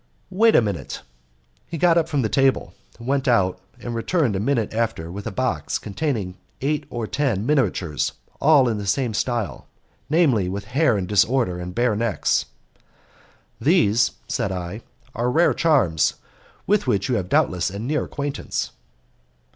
"Wait a minute." He got up from the table, went out, and returned a minute after with a box containing eight or ten miniatures, all in the same style, namely, with hair in disorder and bare necks. "These," said I, "are rare charms, with which you have doubtless a near acquaintance?"